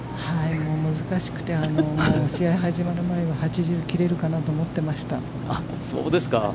もう難しくて、試合が始まる前は８０切れるかなと思ってました。